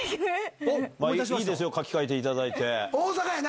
いいですよ書き換えていただいて。